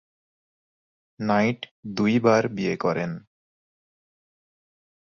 Night দুইবার বিয়ে করেন।